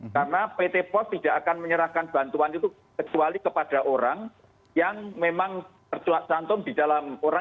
karena pt pos tidak akan menyerahkan bantuan itu kecuali kepada orang yang memang terculak santum di dalam kartu